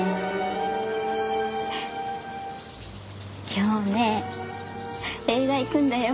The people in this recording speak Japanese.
今日ね映画行くんだよ。